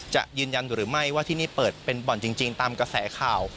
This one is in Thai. จะยืนยันหรือไม่ว่าที่นี่เปิดเป็นบ่อนจริงตามกระแสข่าว